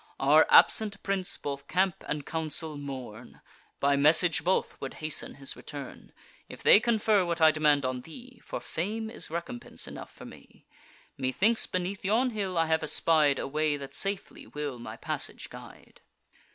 Our absent prince both camp and council mourn; By message both would hasten his return: If they confer what I demand on thee, (For fame is recompense enough for me,) Methinks, beneath yon hill, I have espied A way that safely will my passage guide."